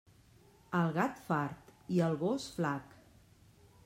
El gat, fart; i el gos, flac.